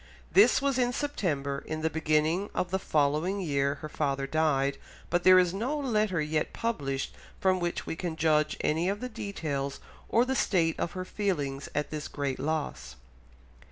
This was in September. In the beginning of the following year her father died, but there is no letter yet published from which we can judge any of the details or the state of her feelings at this great loss.